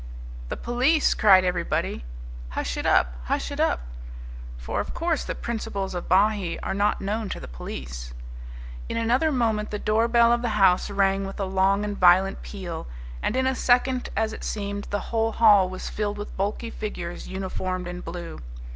"The police!" cried everybody. "Hush it up! Hush it up!" For of course the principles of Bahee are not known to the police. In another moment the doorbell of the house rang with a long and violent peal, and in a second as it seemed, the whole hall was filled with bulky figures uniformed in blue.